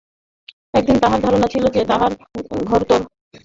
এতদিন তাঁহার ধারণা ছিল যে তাঁহার ঘোরতর অপমানসূচক পরাজয় হইয়াছে।